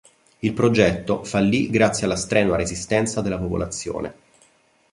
Il progetto fallì grazie alla strenua resistenza della popolazione.